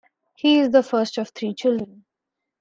He is the first of three children.